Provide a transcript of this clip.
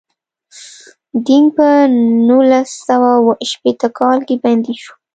دینګ په نولس سوه اووه شپیته کال کې بندي شو.